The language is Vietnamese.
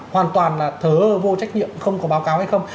hoàn toàn là thớ vô trách nhiệm không có báo cáo hay không